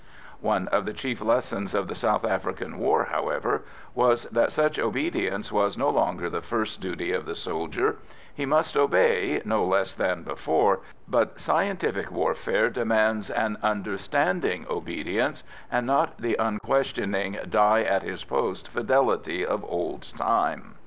One of the chief lessons of the South African war, however, was that such obedience was no longer the first duty of the soldier; he must obey, no less than before, but scientific warfare demands an understanding obedience, and not the unquestioning, die at his post fidelity of old time.